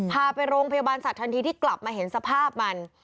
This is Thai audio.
พาไปโรงพยาบาลสัตว์ทันทีที่กลับมาเห็นสภาพมัน